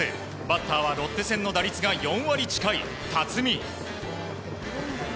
バッターはロッテ戦の打率が４割近い、辰己。